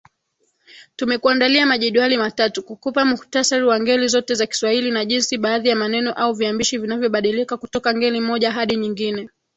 Tumekuandalia majedwali matatu kukupa mukhtasari wa ngeli zote za Kiswahili na jinsi baadhi ya maneno au viambishi vinavyobadilika kutoka ngeli moja hadi nyingine.